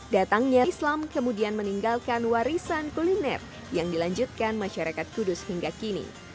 datangnya islam kemudian meninggalkan warisan kuliner yang dilanjutkan masyarakat kudus hingga kini